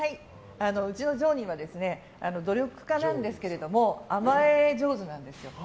うちの上仁は努力家なんですけど甘え上手なんですよ。